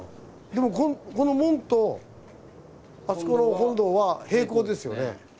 でもこの門とあそこの本堂は平行ですよね。